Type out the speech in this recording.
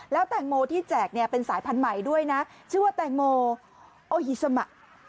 แล้วแตงโมที่แจกเนี่ยเป็นสายพันธุ์ใหม่ด้วยนะชื่อว่าแตงโมโอฮิสมะ